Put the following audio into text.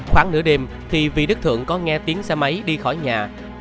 khoảng nửa đêm thì vì đức thượng có nghe tiếng xe máy đi khỏi nhà